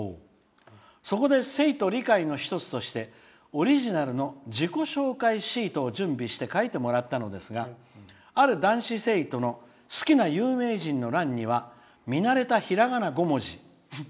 そこで生徒理解の一つとしてオリジナルの自己紹介シートを準備して書いてもらったのですがある男子生徒の好きな有名人の欄には見慣れたひらがな５文字。